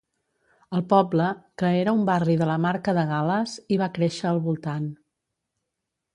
El poble, que era un barri de la Marca de Gal·les, hi va créixer al voltant.